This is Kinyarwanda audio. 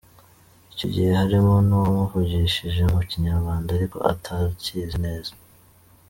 Icyo gihe harimo n’uwamuvugishije mu Kinyarwanda ariko atakizi neza.